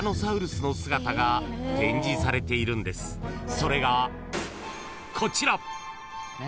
［それがこちら］